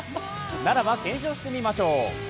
ならば検証してみましょう。